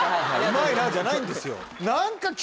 「うまいな」じゃないんですよ。